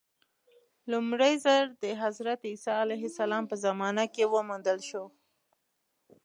لومړی ځل د حضرت عیسی علیه السلام په زمانه کې وموندل شو.